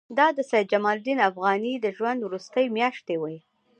دا د سید جمال الدین افغاني د ژوند وروستۍ میاشتې وې.